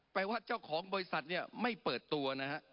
ว่าเจ้าของบริษัทเนี่ยไม่เปิดตัวนะฮะ